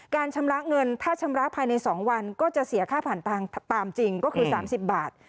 ชำระเงินถ้าชำระภายใน๒วันก็จะเสียค่าผ่านตามจริงก็คือ๓๐บาท